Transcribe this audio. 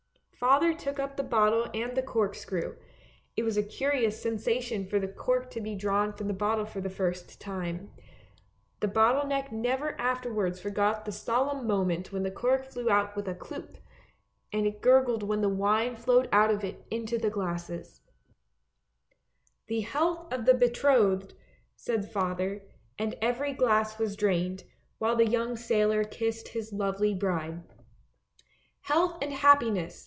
Father took up the bottle and the cork screw — it was a curious sensation for the cork to be drawn from the bottle for the first time. The bottle neck never afterwards forgot the solemn moment when the cork flew out with a " kloop," and it gurgled when the wine flowed out of it into the glasses. 86 ANDERSEN'S FAIRY TALES " The health of the betrothed," said father, and every glass was drained, while the young sailor kissed his lovely bride. " Health and happiness!